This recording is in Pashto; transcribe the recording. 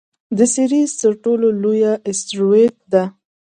د سیریز تر ټولو لویه اسټرويډ ده.